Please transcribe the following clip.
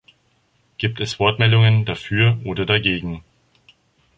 Gibt es Wortmeldungen dafür oder dagegen?